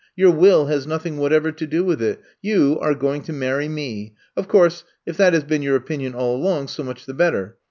Your will has nothing whatever to do with it. You are going to marry me. Of course, if that has been your opinion all along, so much the better.